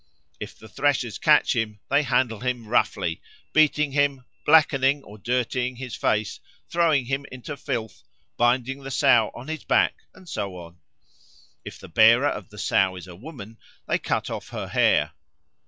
If the threshers catch him they handle him roughly, beating him, blackening or dirtying his face, throwing him into filth, binding the Sow on his back, and so on; if the bearer of the Sow is a woman they cut off her hair.